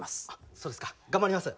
そうですか頑張ります。